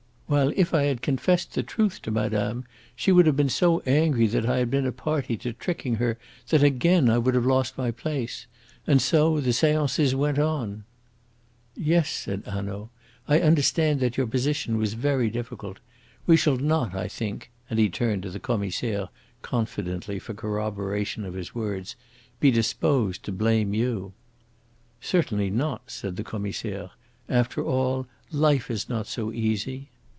While if I had confessed the truth to madame, she would have been so angry that I had been a party to tricking her that again I would have lost my place. And so the seances went on." "Yes," said Hanaud. "I understand that your position was very difficult. We shall not, I think," and he turned to the Commissaire confidently for corroboration of his words, "be disposed to blame you." "Certainly not," said the Commissaire. "After all, life is not so easy."